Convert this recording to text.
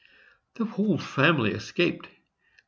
The whole family escaped.